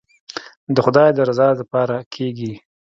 د خداى د رضا دپاره کېګي.